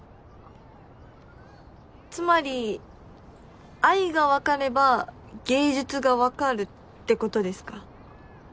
つまり愛が分かれば芸術が分かるってことですか？